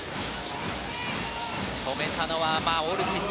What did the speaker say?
止めたのはオルティス。